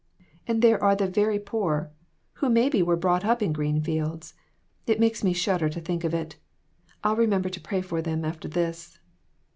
And there are the very poor, who maybe were brought up in green fields. It makes me shudder to think of it. I'll remember to pray for them after this."